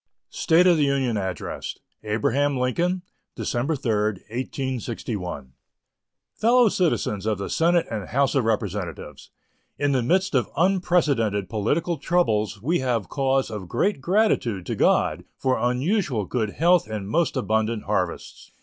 State of the Union Address Abraham Lincoln December 3, 1861 Fellow Citizens of the Senate and House of Representatives: In the midst of unprecedented political troubles we have cause of great gratitude to God for unusual good health and most abundant harvests.